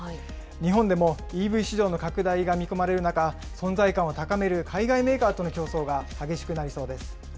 日本でもＥＶ市場の拡大が見込まれる中、存在感を高める海外メーカーとの競争が激しくなりそうです。